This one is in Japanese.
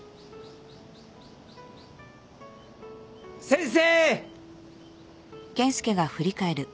先生！